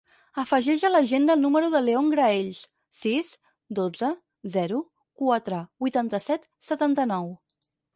Afegeix a l'agenda el número del León Graells: sis, dotze, zero, quatre, vuitanta-set, setanta-nou.